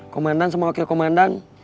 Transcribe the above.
komandan sama wakil komandan